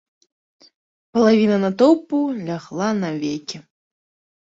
Палавіна натоўпу лягла навекі.